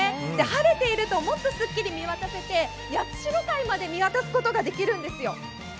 晴れているともっとすっきり見渡せて、八代海まで見渡すことができるんですよ。